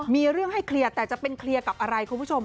มีเรื่องให้เคลียร์แต่จะเป็นเคลียร์กับอะไรคุณผู้ชม